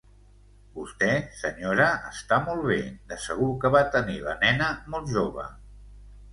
Vosté, senyora, està molt bé, de segur que va tenir la nena molt jove!